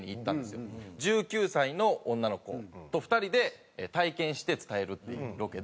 １９歳の女の子と２人で体験して伝えるっていうロケで。